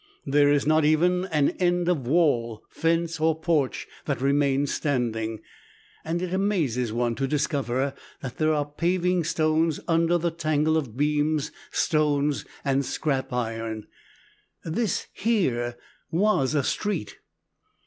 There is not even an end of wall, fence, or porch that remains standing; and it amazes one to discover that there are paving stones under the tangle of beams, stones, and scrap iron. This here was a street.